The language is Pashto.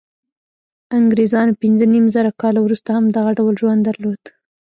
انګرېزانو پنځه نیم زره کاله وروسته هم دغه ډول ژوند درلود.